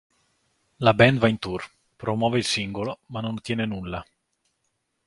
La band va in tour, promuove il singolo, ma non ottiene nulla.